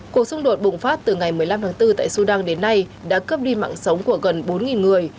cuộc xung đột bùng phát từ ngày một mươi năm tháng bốn tại sudan đến nay đã cướp đi mạng sống của gần bốn người